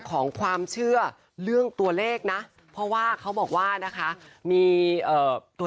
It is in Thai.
ของความเชื่อเรื่องตัวเลขนะเพราะว่าเขาบอกว่านะคะมีเอ่อตัว